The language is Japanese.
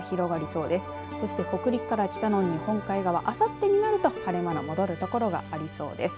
そして、北陸から北の日本海側あさってになると晴れ間が戻る所がありそうです。